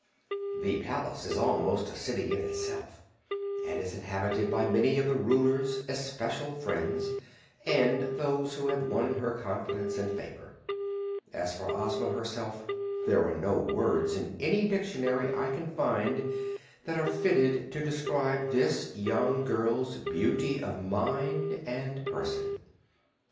The palace is almost a city in itself and is inhabited by many of the Ruler's especial friends and those who have won her confidence and favor. As for Ozma herself, there are no words in any dictionary I can find that are fitted to describe this young girl's beauty of mind and person.